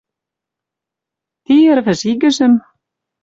Ти ӹрвӹж игӹжӹм